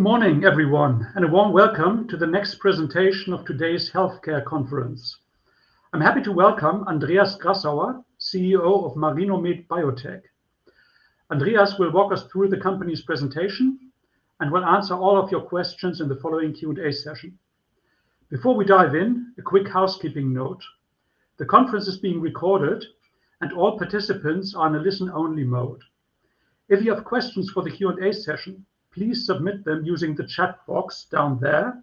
Good morning, everyone, and a warm welcome to the next presentation of today's healthcare conference. I'm happy to welcome Andreas Grassauer, CEO of Marinomed Biotech. Andreas will walk us through the company's presentation and will answer all of your questions in the following Q&A session. Before we dive in, a quick housekeeping note: the conference is being recorded, and all participants are in a listen-only mode. If you have questions for the Q&A session, please submit them using the chat box down there,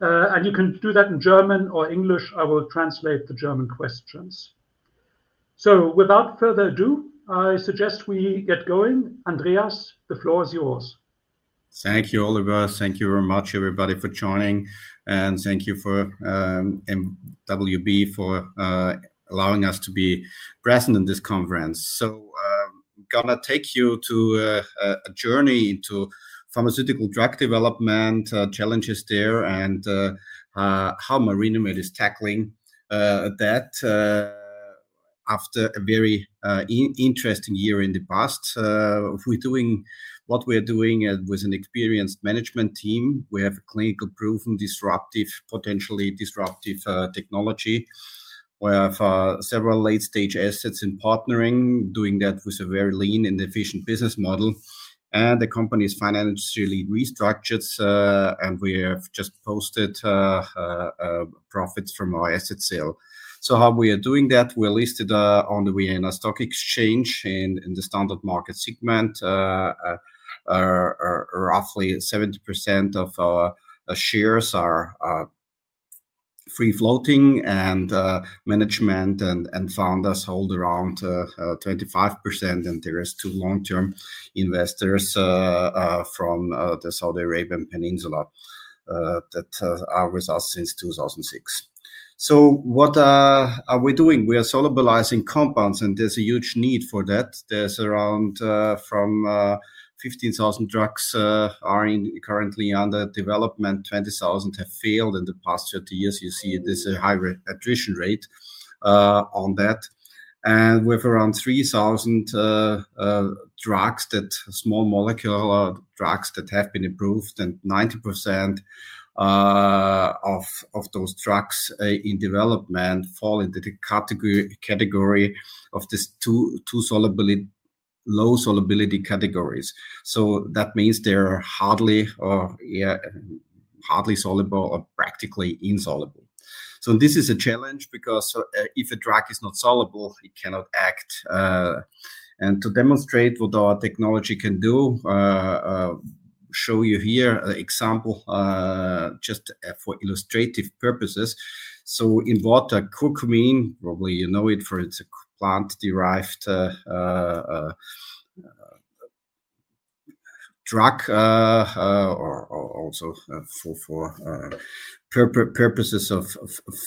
and you can do that in German or English. I will translate the German questions. Without further ado, I suggest we get going. Andreas, the floor is yours. Thank you, Oliver. Thank you very much, everybody, for joining, and thank you to MWB for allowing us to be present in this conference. I'm going to take you to a journey into pharmaceutical drug development challenges there and how Marinomed is tackling that after a very interesting year in the past. We're doing what we are doing with an experienced management team. We have clinical-proven, disruptive, potentially disruptive technology. We have several late-stage assets in partnering, doing that with a very lean and efficient business model. The company is financially restructured, and we have just posted profits from our asset sale. How are we doing that? We're listed on the Vienna Stock Exchange in the standard market segment. Roughly 70% of our shares are free-floating, and management and founders hold around 25%. There are two long-term investors from the Saudi Arabian Peninsula that are with us since 2006. What are we doing? We are solubilizing compounds, and there is a huge need for that. There are around 15,000 drugs currently under development; 20,000 have failed in the past 30 years. You see there is a high attrition rate on that. We have around 3,000 drugs that are small molecular drugs that have been approved, and 90% of those drugs in development fall into the category of these two low-solubility categories. That means they are hardly soluble or practically insoluble. This is a challenge because if a drug is not soluble, it cannot act. To demonstrate what our technology can do, I will show you here an example just for illustrative purposes. In water, curcumin, probably you know it, for it's a plant-derived drug, also for purposes of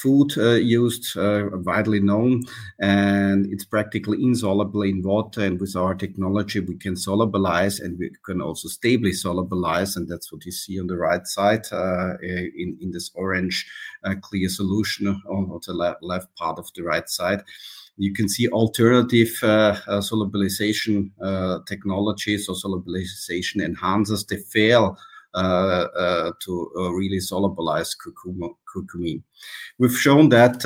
food use, widely known. It's practically insoluble in water, and with our technology, we can solubilize, and we can also stably solubilize. That's what you see on the right side in this orange clear solution on the left part of the right side. You can see alternative solubilization technology, so solubilization enhances the fail to really solubilize curcumin. We've shown that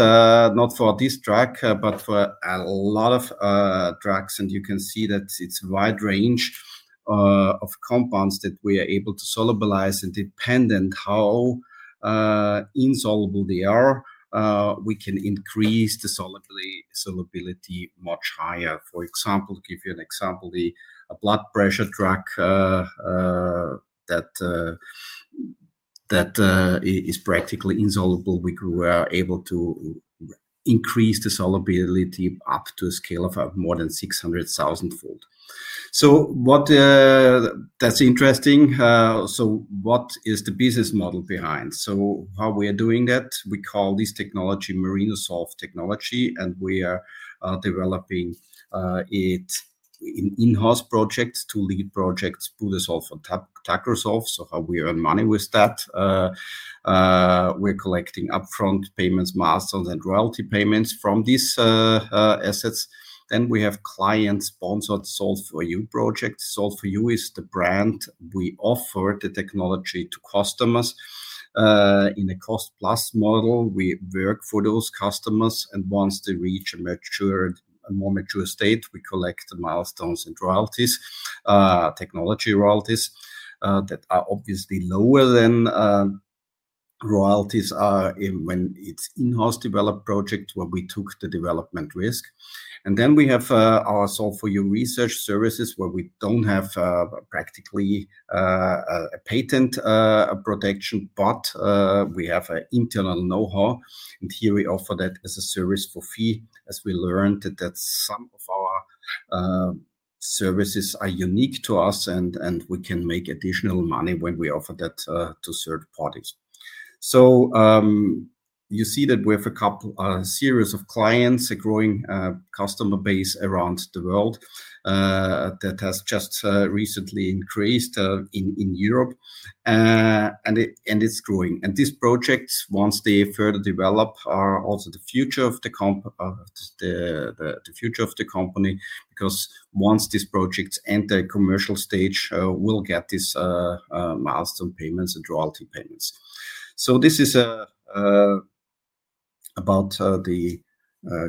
not for this drug, but for a lot of drugs, and you can see that it's a wide range of compounds that we are able to solubilize. Depending on how insoluble they are, we can increase the solubility much higher. For example, to give you an example, the blood pressure drug that is practically insoluble, we were able to increase the solubility up to a scale of more than 600,000 fold. That is interesting. What is the business model behind? How are we doing that? We call this technology Marinosolve technology, and we are developing it in in-house projects to lead projects through the Solve for Tacrosolve. How do we earn money with that? We are collecting upfront payments, milestones, and royalty payments from these assets. We have client-sponsored Solve for You projects. Solve for You is the brand we offer the technology to customers in a cost-plus model. We work for those customers, and once they reach a more mature state, we collect the milestones and royalties, technology royalties, that are obviously lower than royalties when it is in-house developed projects where we took the development risk. We have our Solve for You research services, where we do not have practically a patent protection, but we have an internal know-how, and here we offer that as a service for fee, as we learned that some of our services are unique to us, and we can make additional money when we offer that to third parties. You see that we have a series of clients, a growing customer base around the world that has just recently increased in Europe, and it is growing. These projects, once they further develop, are also the future of the company because once these projects enter commercial stage, we will get these milestone payments and royalty payments. This is about the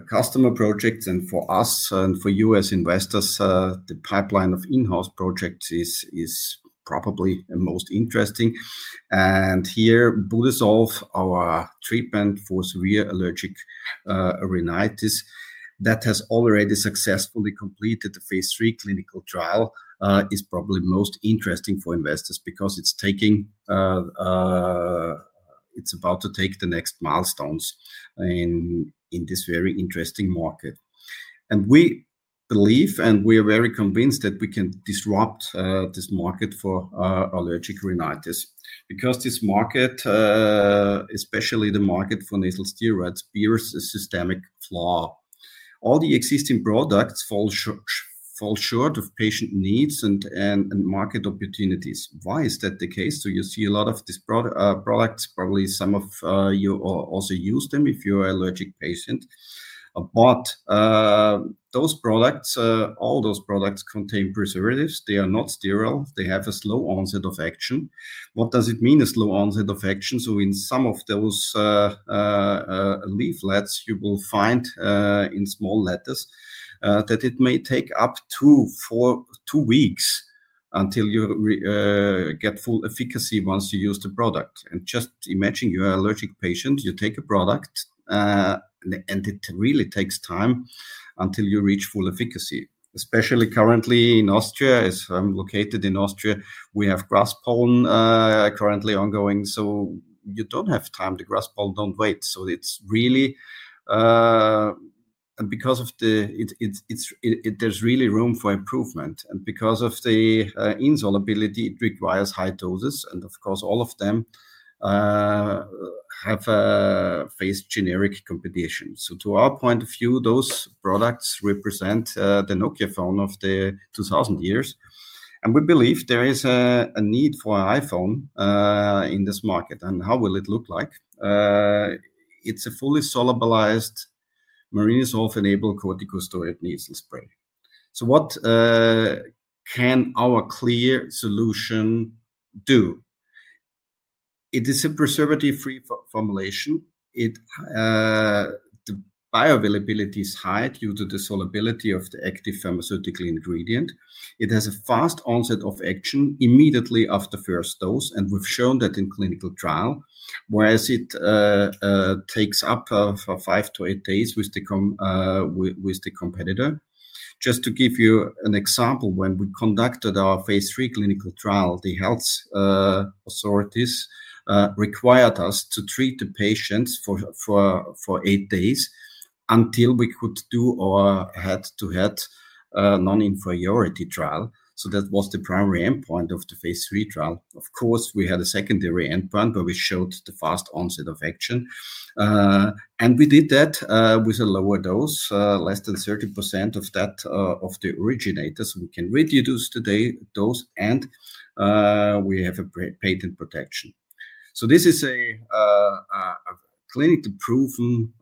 customer projects, and for us and for you as investors, the pipeline of in-house projects is probably most interesting. Budesolf, our treatment for severe allergic rhinitis that has already successfully completed the phase three clinical trial, is probably most interesting for investors because it is about to take the next milestones in this very interesting market. We believe, and we are very convinced that we can disrupt this market for allergic rhinitis because this market, especially the market for nasal steroids, bears a systemic flaw. All the existing products fall short of patient needs and market opportunities. Why is that the case? You see a lot of these products, probably some of you also use them if you are an allergic patient. Those products, all those products contain preservatives. They are not sterile. They have a slow onset of action. What does it mean, a slow onset of action? In some of those leaflets, you will find in small letters that it may take up to two weeks until you get full efficacy once you use the product. Just imagine you're an allergic patient. You take a product, and it really takes time until you reach full efficacy, especially currently in Austria. I'm located in Austria. We have grass pollen currently ongoing, so you don't have time to, grass pollen, don't wait. It's really, and because of the, there's really room for improvement. Because of the insolubility, it requires high doses. Of course, all of them have faced generic competition. To our point of view, those products represent the Nokia phone of the 2,000 years. We believe there is a need for an iPhone in this market. How will it look like? It's a fully solubilized Marinosolve-enabled corticosteroid nasal spray. What can our clear solution do? It is a preservative-free formulation. The bioavailability is high due to the solubility of the active pharmaceutical ingredient. It has a fast onset of action immediately after the first dose, and we've shown that in clinical trial, whereas it takes up for five to eight days with the competitor. Just to give you an example, when we conducted our phase three clinical trial, the health authorities required us to treat the patients for eight days until we could do our head-to-head non-inferiority trial. That was the primary endpoint of the phase three trial. Of course, we had a secondary endpoint, but we showed the fast onset of action. We did that with a lower dose, less than 30% of that of the originators. We can reduce the dose, and we have a patent protection. This is a clinically proven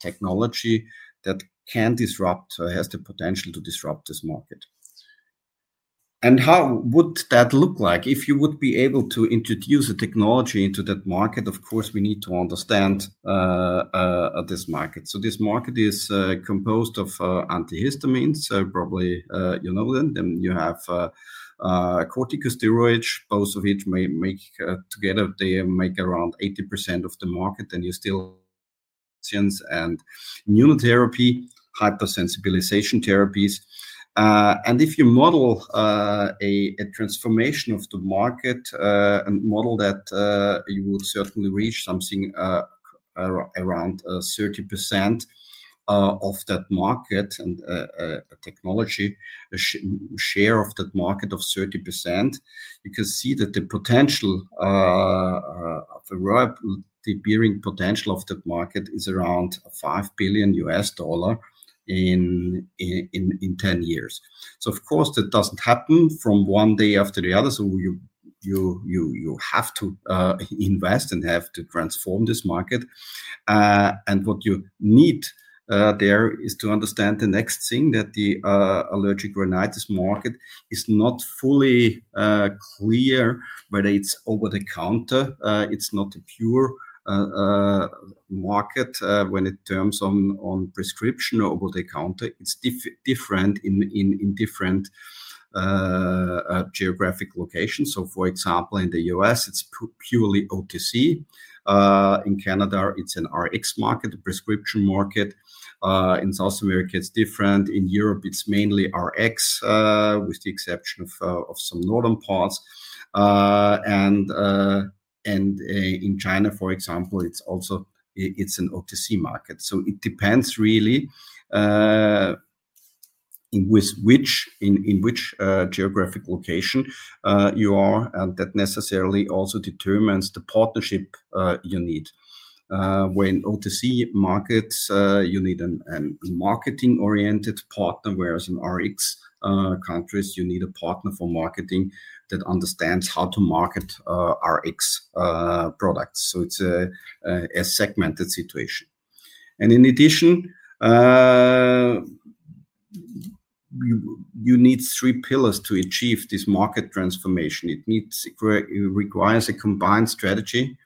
technology that can disrupt, has the potential to disrupt this market. How would that look like if you would be able to introduce a technology into that market? Of course, we need to understand this market. This market is composed of antihistamines, probably you know them. Then you have corticosteroids, both of which together make around 80% of the market, and you still. And immunotherapy, hypersensitization therapies. If you model a transformation of the market, a model that you would certainly reach something around 30% of that market and a technology share of that market of 30%, you can see that the rapidly bearing potential of that market is around $5 billion in 10 years. Of course, that does not happen from one day after the other. You have to invest and have to transform this market. What you need there is to understand the next thing, that the allergic rhinitis market is not fully clear whether it's over-the-counter. It's not a pure market when it turns on prescription or over-the-counter. It's different in different geographic locations. For example, in the U.S., it's purely OTC. In Canada, it's an Rx market, a prescription market. In South America, it's different. In Europe, it's mainly Rx with the exception of some northern parts. In China, for example, it's also an OTC market. It depends really in which geographic location you are, and that necessarily also determines the partnership you need. When OTC markets, you need a marketing-oriented partner, whereas in Rx countries, you need a partner for marketing that understands how to market Rx products. It's a segmented situation. In addition, you need three pillars to achieve this market transformation. It requires a combined strategy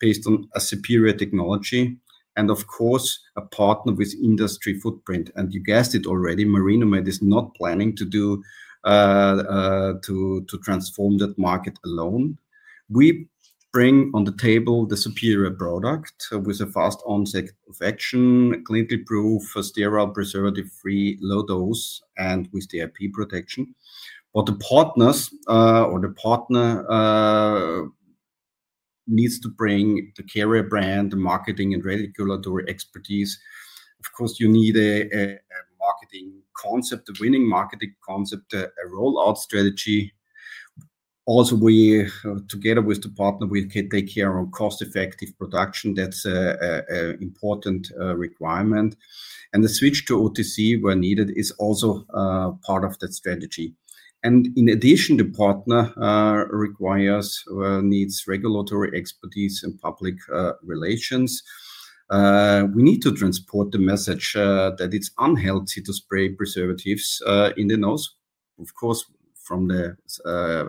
based on a superior technology and, of course, a partner with industry footprint. You guessed it already, Marinomed is not planning to transform that market alone. We bring on the table the superior product with a fast onset of action, clinically proved, sterile, preservative-free, low dose, and with the IP protection. The partners or the partner needs to bring the carrier brand, the marketing, and regulatory expertise. You need a marketing concept, a winning marketing concept, a rollout strategy. Also, together with the partner, we take care of cost-effective production. That is an important requirement. The switch to OTC, where needed, is also part of that strategy. In addition, the partner requires or needs regulatory expertise and public relations. We need to transport the message that it is unhealthy to spray preservatives in the nose. Of course,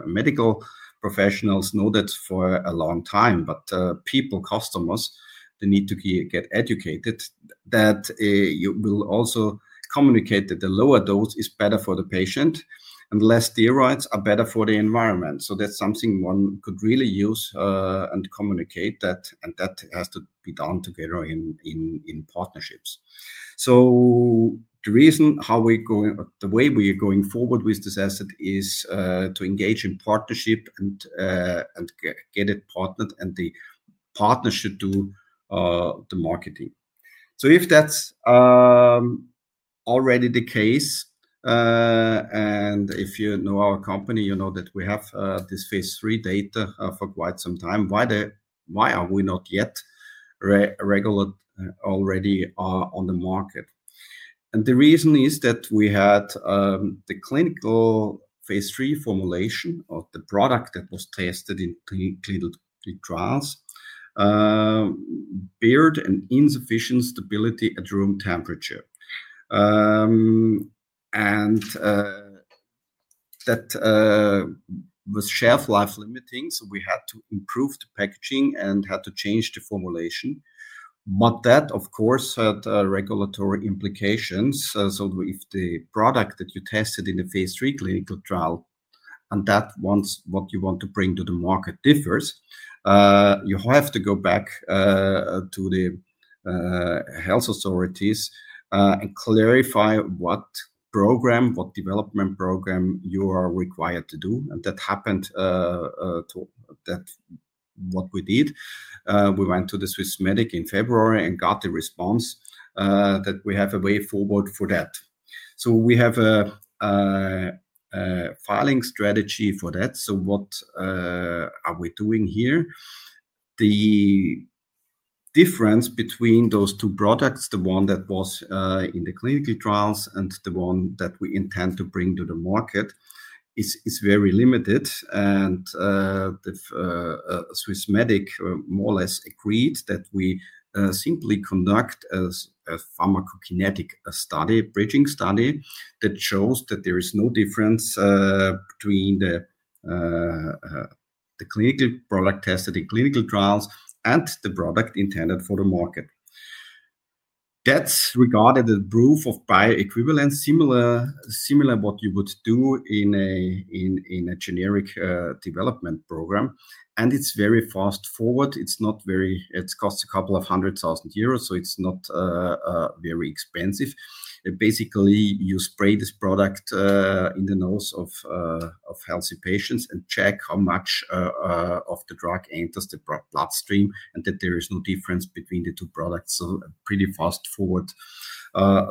medical professionals know that for a long time, but people, customers, they need to get educated that you will also communicate that the lower dose is better for the patient and less steroids are better for the environment. That is something one could really use and communicate, and that has to be done together in partnerships. The reason how we are going, the way we are going forward with this asset is to engage in partnership and get it partnered, and the partner should do the marketing. If that is already the case, and if you know our company, you know that we have this phase three data for quite some time, why are we not yet already on the market? The reason is that we had the clinical phase three formulation of the product that was tested in clinical trials bear an insufficient stability at room temperature. That was shelf life limiting, so we had to improve the packaging and had to change the formulation. That, of course, had regulatory implications. If the product that you tested in the phase three clinical trial, and that's what you want to bring to the market, differs, you have to go back to the health authorities and clarify what program, what development program you are required to do. That happened to what we did. We went to the Swiss Medic in February and got the response that we have a way forward for that. We have a filing strategy for that. What are we doing here? The difference between those two products, the one that was in the clinical trials and the one that we intend to bring to the market, is very limited. The Swiss Medic more or less agreed that we simply conduct a pharmacokinetic study, bridging study that shows that there is no difference between the clinical product tested in clinical trials and the product intended for the market. That is regarded as proof of bioequivalence, similar to what you would do in a generic development program. It is very fast forward. It is not very, it costs a couple of hundred thousand EUR, so it is not very expensive. Basically, you spray this product in the nose of healthy patients and check how much of the drug enters the bloodstream and that there is no difference between the two products. Pretty fast forward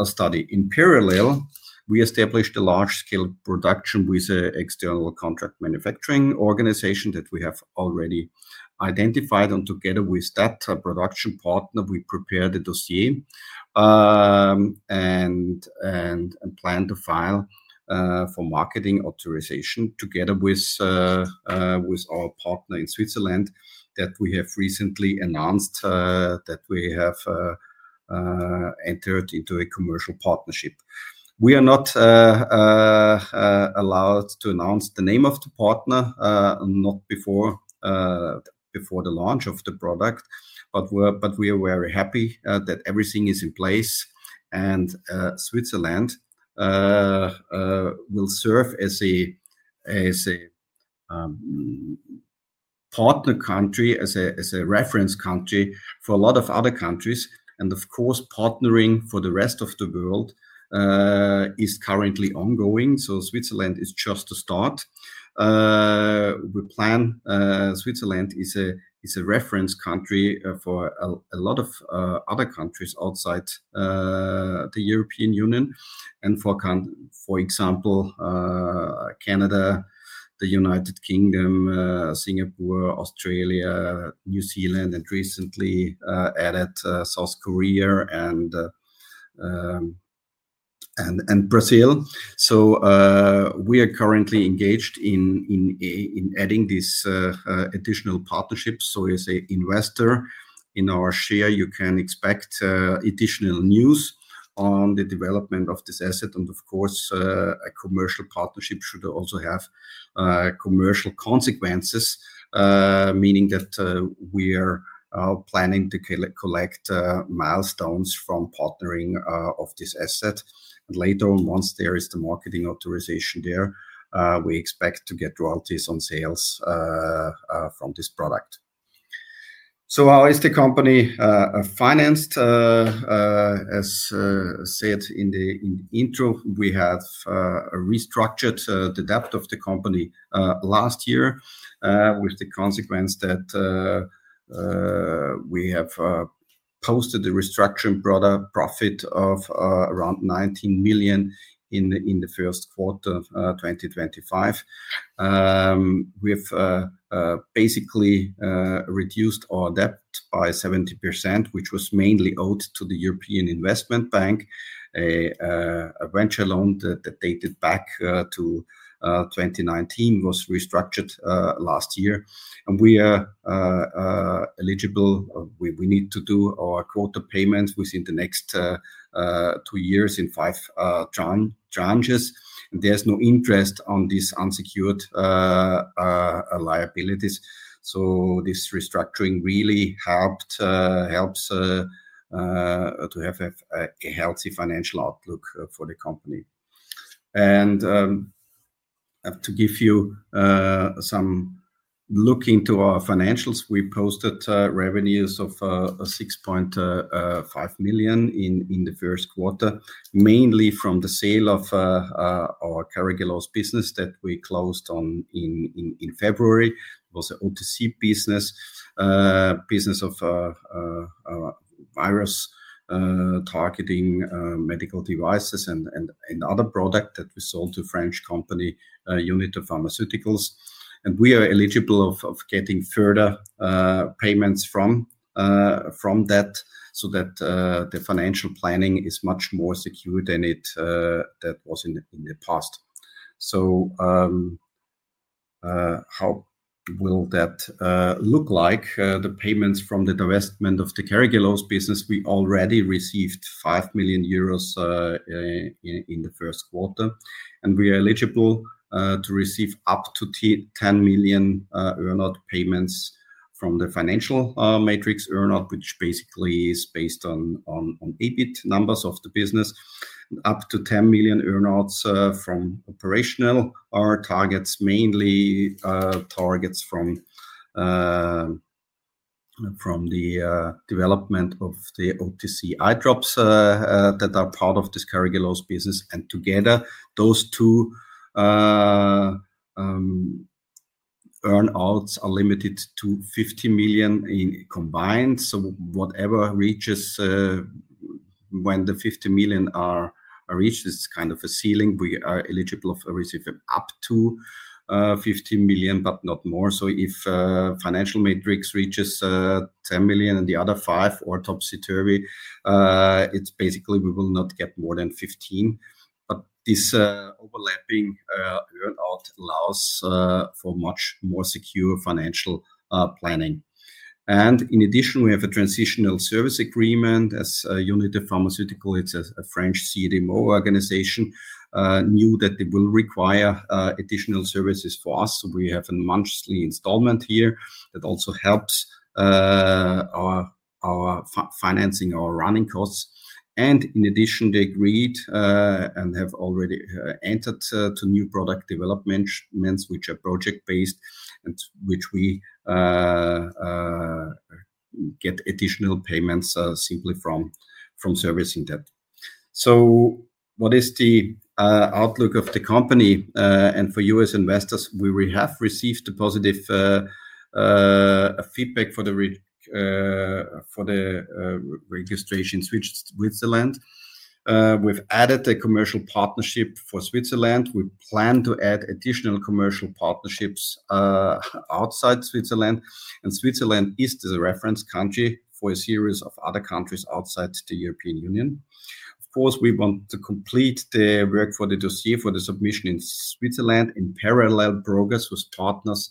study. In parallel, we established a large-scale production with an external contract manufacturing organization that we have already identified. Together with that production partner, we prepared a dossier and planned to file for marketing authorization together with our partner in Switzerland that we have recently announced that we have entered into a commercial partnership. We are not allowed to announce the name of the partner, not before the launch of the product, but we are very happy that everything is in place. Switzerland will serve as a partner country, as a reference country for a lot of other countries. Of course, partnering for the rest of the world is currently ongoing. Switzerland is just the start. We plan, Switzerland is a reference country for a lot of other countries outside the European Union. For example, Canada, the United Kingdom, Singapore, Australia, New Zealand, and recently added South Korea and Brazil. We are currently engaged in adding this additional partnership. As an investor in our share, you can expect additional news on the development of this asset. Of course, a commercial partnership should also have commercial consequences, meaning that we are planning to collect milestones from partnering of this asset. Later on, once there is the marketing authorization there, we expect to get royalties on sales from this product. How is the company financed? As said in the intro, we have restructured the debt of the company last year with the consequence that we have posted the restructuring product profit of around 19 million in the first quarter of 2025. We have basically reduced our debt by 70%, which was mainly owed to the European Investment Bank. A venture loan that dated back to 2019 was restructured last year. We are eligible. We need to do our quarter payments within the next two years in five tranches. There is no interest on these unsecured liabilities. This restructuring really helps to have a healthy financial outlook for the company. To give you some look into our financials, we posted revenues of 6.5 million in the first quarter, mainly from the sale of our Carragelose business that we closed in February. It was an OTC business, business of virus targeting medical devices and other products that we sold to a French company, Unither Pharmaceuticals. We are eligible of getting further payments from that so that the financial planning is much more secure than it was in the past. How will that look like? The payments from the divestment of the Carragelose business, we already received 5 million euros in the first quarter. We are eligible to receive up to 10 million earnout payments from the financial matrix earnout, which basically is based on EBIT numbers of the business. Up to 10 million earnouts from operational are targets, mainly targets from the development of the OTC eyedrops that are part of this Carragelose business. Together, those two earnouts are limited to 50 million combined. Whatever reaches when the 50 million are reached, it's kind of a ceiling. We are eligible of receiving up to 50 million, but not more. If financial matrix reaches 10 million and the other five or topsy-turvy, it's basically we will not get more than 15 million. This overlapping earnout allows for much more secure financial planning. In addition, we have a transitional service agreement as Unither Pharmaceuticals. It's a French CDMO organization, knew that they will require additional services from us. We have a monthly installment here that also helps our financing, our running costs. In addition, they agreed and have already entered into new product developments, which are project-based and which we get additional payments simply from servicing that. What is the outlook of the company? For U.S. investors, we have received positive feedback for the registration Switzerland. We've added a commercial partnership for Switzerland. We plan to add additional commercial partnerships outside Switzerland. Switzerland is the reference country for a series of other countries outside the European Union. Of course, we want to complete the work for the dossier for the submission in Switzerland in parallel progress with partners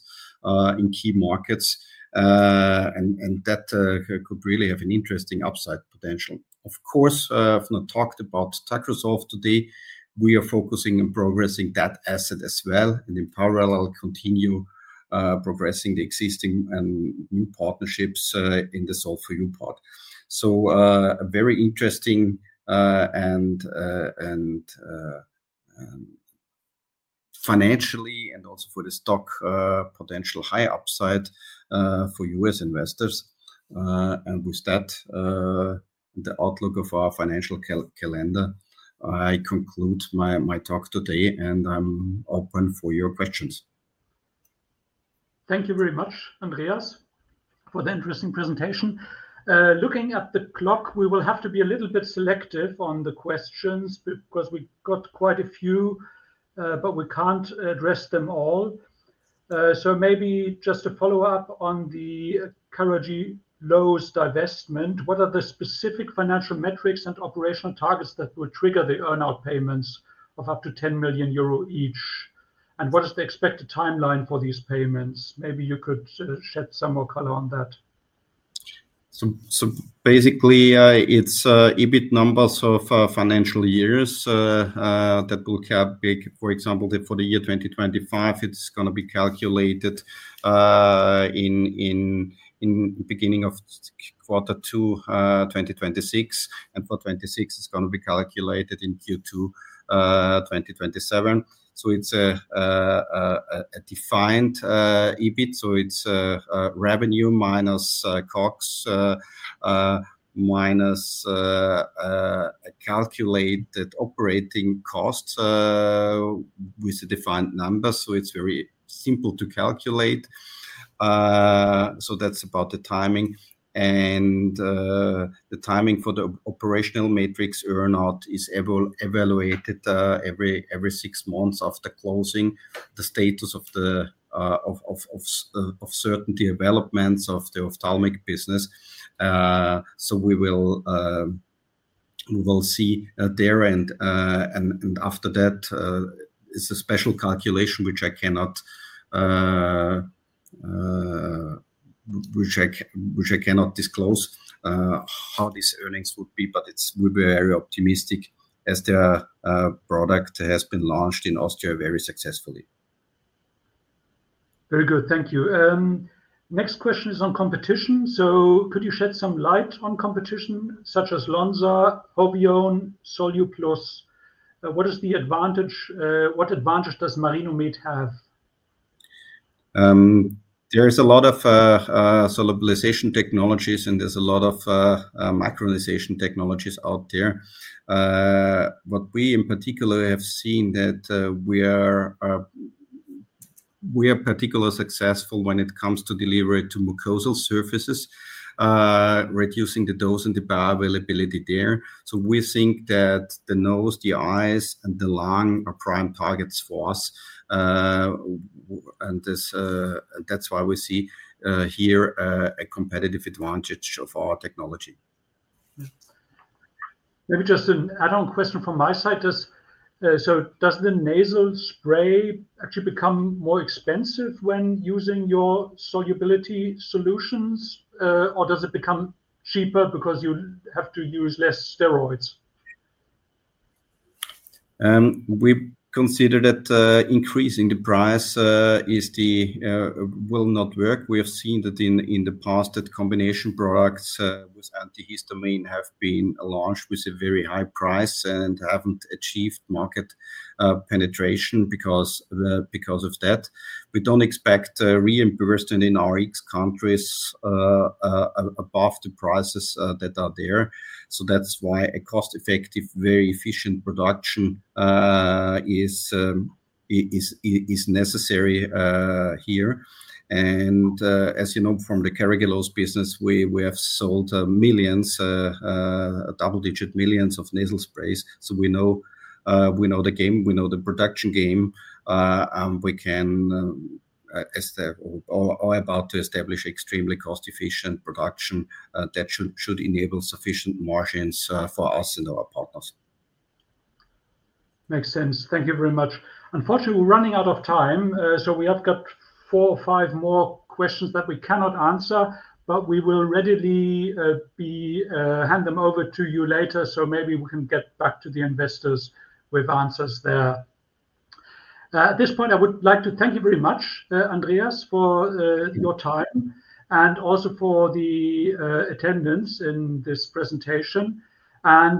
in key markets. That could really have an interesting upside potential. Of course, I've not talked about Tacrosolv today. We are focusing on progressing that asset as well and in parallel continue progressing the existing and new partnerships in the Solve for You part. Very interesting and financially and also for the stock potential high upside for U.S. investors. With that, the outlook of our financial calendar, I conclude my talk today, and I'm open for your questions. Thank you very much, Andreas, for the interesting presentation. Looking at the clock, we will have to be a little bit selective on the questions because we got quite a few, but we can't address them all. Maybe just a follow-up on the Carragelose divestment. What are the specific financial metrics and operational targets that will trigger the earnout payments of up to 10 million euro each? What is the expected timeline for these payments? Maybe you could shed some more color on that. Basically, it's EBIT numbers of financial years that will be bigger. For example, for the year 2025, it's going to be calculated in the beginning of quarter two 2026. For 2026, it's going to be calculated in Q2 2027. It's a defined EBIT. It's revenue minus COGS minus calculated operating costs with a defined number. It's very simple to calculate. That's about the timing. The timing for the operational matrix earnout is evaluated every six months after closing the status of certain developments of the ophthalmic business. We will see there. After that, it's a special calculation, which I cannot disclose how these earnings would be, but we'll be very optimistic as the product has been launched in Austria very successfully. Very good. Thank you. Next question is on competition. Could you shed some light on competition such as Lonza, Hobion, SoluPlus? What is the advantage? What advantage does Marinomed have? There is a lot of solubilization technologies, and there's a lot of micronization technologies out there. What we in particular have seen is that we are particularly successful when it comes to delivery to mucosal surfaces, reducing the dose and the bioavailability there. We think that the nose, the eyes, and the lung are prime targets for us. That is why we see here a competitive advantage of our technology. Maybe just an add-on question from my side. Does the nasal spray actually become more expensive when using your solubility solutions, or does it become cheaper because you have to use less steroids? We consider that increasing the price will not work. We have seen that in the past that combination products with antihistamine have been launched with a very high price and have not achieved market penetration because of that. We do not expect reimbursement in our countries above the prices that are there. That is why a cost-effective, very efficient production is necessary here. As you know, from the Carragelose business, we have sold millions, double-digit millions of nasal sprays. We know the game. We know the production game. We can, or are about to, establish extremely cost-efficient production that should enable sufficient margins for us and our partners. Makes sense. Thank you very much. Unfortunately, we are running out of time. We have got four or five more questions that we cannot answer, but we will readily hand them over to you later. Maybe we can get back to the investors with answers there. At this point, I would like to thank you very much, Andreas, for your time and also for the attendance in this presentation.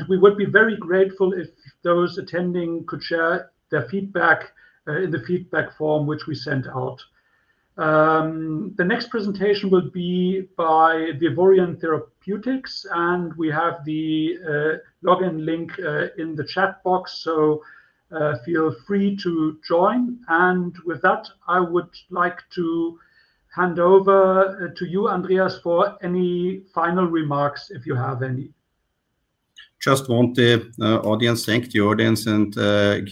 We would be very grateful if those attending could share their feedback in the feedback form, which we sent out. The next presentation will be by Vivirion Therapeutics. We have the login link in the chat box. Feel free to join. With that, I would like to hand over to you, Andreas, for any final remarks if you have any. Just want to thank the audience. We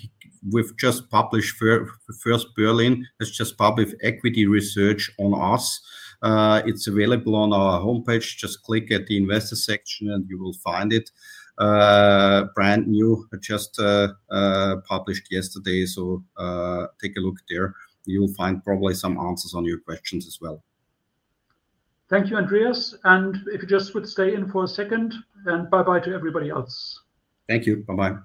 have just published First Berlin. It has just published equity research on us. It is available on our homepage. Just click at the investor section and you will find it. Brand new, just published yesterday. Take a look there. You will find probably some answers on your questions as well. Thank you, Andreas. If you just would stay in for a second and bye-bye to everybody else. Thank you. Bye-bye.